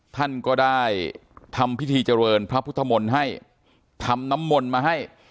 ท่านก็ได้ทำพิธีเจริญพระพุทธมนต์ให้ทำน้ำมนต์มาให้